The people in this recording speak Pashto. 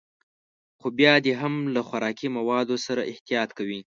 خو بيا دې هم له خوراکي موادو سره احتياط کوي.